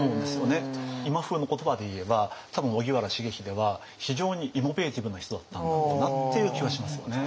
今風の言葉で言えば多分荻原重秀は非常にイノベーティブな人だったんだろうなという気はしますよね。